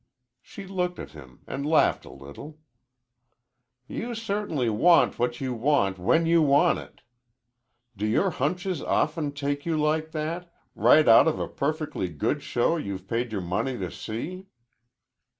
She looked at him and laughed a little. "You certainly want what you want when you want it! Do your hunches often take you like that right out of a perfectly good show you've paid your money to see?"